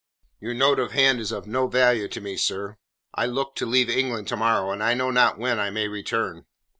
"Your note of hand is of no value to me, sir. I look to leave England to morrow, and I know not when I may return."